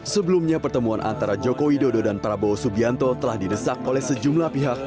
sebelumnya pertemuan antara jokowi dodo dan prabowo subianto telah didesak oleh sejumlah pihak